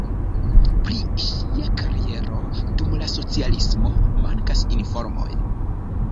Pri ŝia kariero dum la socialismo mankas informoj.